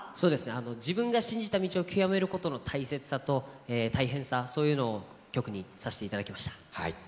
自分が信じた道を極めることの大切さと大変さを曲にさせていただきました。